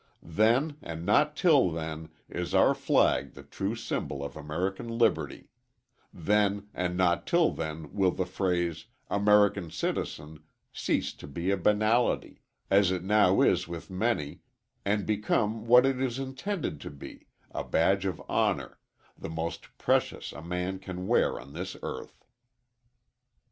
Then and not till then is our flag the true symbol of American liberty; then and not till then will the phrase "American citizen" cease to be a banality, as it now is with many, and become what it is intended to be, a badge of honor, the most precious a man can wear on this earth.